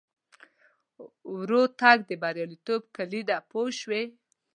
ورو تګ د بریالیتوب کیلي ده پوه شوې!.